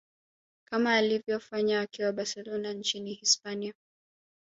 kama alivyofanya akiwa barcelona nchini hispania